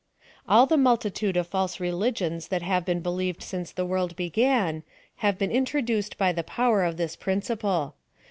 All the multitude of false religions that have been believed since the world began, have been intro iuced by the power of this principle.